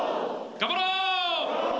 頑張ろう！